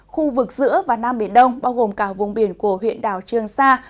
khu vực giữa và nam biển đông bao gồm cả vùng biển của huyện đảo trương sa